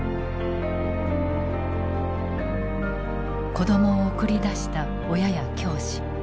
子供を送り出した親や教師。